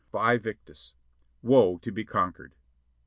"Vae Victis :" Woe to be Conquered.